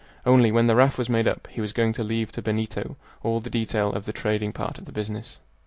Only, when the raft was made up, he was going to leave to Benito all the detail of the trading part of the business.